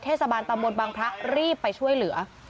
เทศบาลตำบลบังพระรีบไปช่วยเหลือ